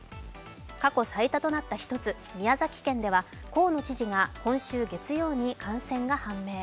過去最多となった一つ、宮崎県では河野知事が今週月曜に感染が判明。